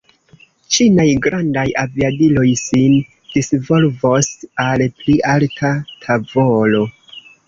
Ĉinaj grandaj aviadiloj sin disvolvos al pli alta tavolo.